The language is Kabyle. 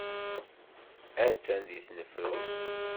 Attan deg tnefrut.